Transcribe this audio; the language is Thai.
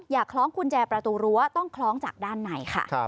คล้องกุญแจประตูรั้วต้องคล้องจากด้านในค่ะ